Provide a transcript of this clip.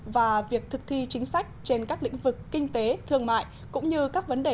và việc thực thi chính sách trên các lĩnh vực kinh tế thương mại cũng như các vấn đề